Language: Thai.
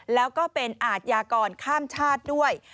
แล้วก็เป็นอาทยากรข้ามชาติด้วย